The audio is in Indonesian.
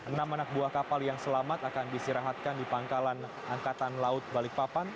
enam anak buah kapal yang selamat akan disirahatkan di pangkalan angkatan laut balikpapan